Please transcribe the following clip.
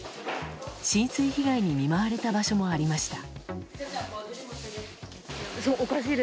浸水被害に見舞われた場所もありました。